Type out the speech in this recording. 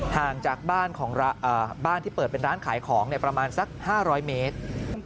ห่างจากบ้านของบ้านที่เปิดเป็นร้านขายของประมาณสัก๕๐๐เมตร